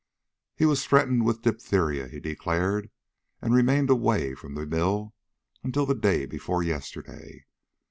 He was threatened with diphtheria, he declared, and remained away from the mill until the day before yesterday.